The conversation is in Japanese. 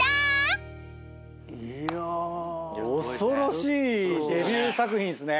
恐ろしいデビュー作品ですね。